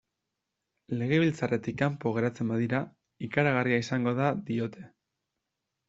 Legebiltzarretik kanpo geratzen badira, ikaragarria izango da, diote.